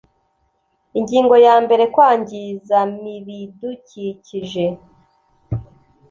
ingingo ya mbere kwangizam ibidukikije